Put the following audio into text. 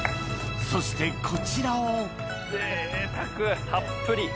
そしてこちらを贅沢たっぷり。